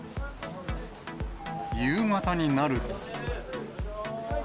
夕方になると。